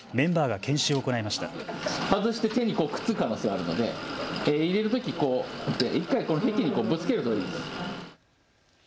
外して手にくっつく可能性があるので、入れるとき１回、にぶつけるといい。